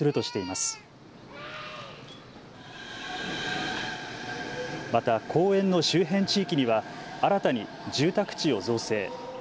また公園の周辺地域には新たに住宅地を造成。